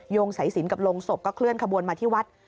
งสายสินกับโรงศพก็เคลื่อนขบวนมาที่วัด